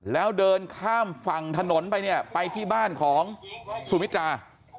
แล้วเดินข้ามฝั่งถนนไปเนี่ยไปที่บ้านของสุมิตรา